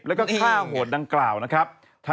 แล้วก็ฆ่าโหดดังกล่าวนะครับ